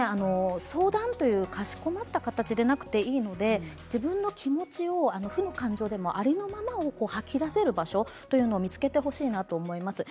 相談というかしこまった形でなくてもいいので自分の気持ちをありのままに吐き出せる場所を見つけてほしいと思います。